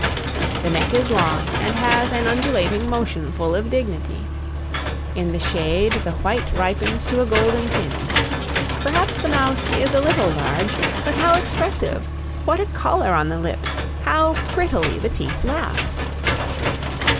The neck is long, and has an undulating motion full of dignity. In the shade the white ripens to a golden tinge. Perhaps the mouth is a little large. But how expressive! what a color on the lips! how prettily the teeth laugh!